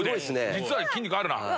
実は筋肉あるな。